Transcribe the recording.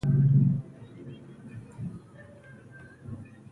دلته کوټې ته رالم چې د افغان بچو له خدمت اوکم.